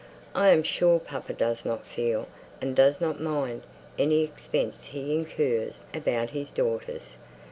"I am sure papa does not feel, and does not mind, any expense he incurs about his daughters.